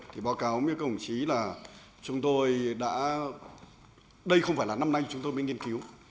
thì báo cáo với các đồng chí là chúng tôi đã đây không phải là năm nay chúng tôi mới nghiên cứu